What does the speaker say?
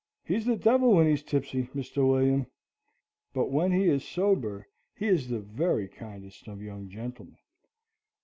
He's the devil when he's tipsy, Mr. William, but when he is sober he is the very kindest of young gentlemen."